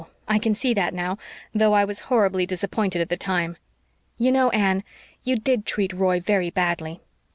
I can see that now, though I was horribly disappointed at the time. You know, Anne, you did treat Roy very badly."